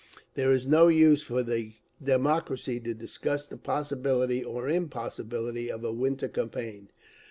There is no use for the democracy to discuss the possibility or impossibility of a winter campaign.